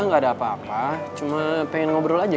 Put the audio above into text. gak apa cuma pengen ngobrol aja